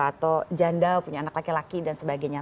atau janda punya anak laki laki dan sebagainya